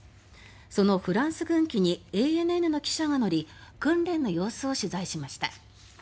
そのフランス軍機にＡＮＮの記者が乗り訓練の様子を取材しました。